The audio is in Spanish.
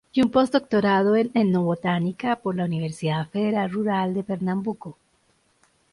Y un posdoctorado en etnobotánica por la Universidad Federal Rural de Pernambuco.